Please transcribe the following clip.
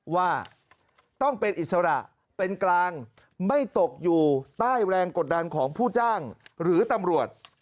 ว่าต้องเป็นอิสระเป็นกลางไม่ตกอยู่ใต้แรงกดดันของผู้จ้างหรือตำรวจ